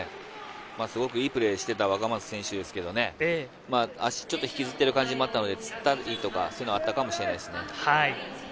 すごくいいプレーをしていた若松選手ですけどね、足をちょっとひきずってる感じがあるので、つってるとかそういうのがあったかもしれないですね。